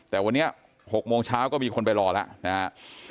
แต่วันนี้๖โมงเช้าก็มีคนไปรอแล้วนะฮะ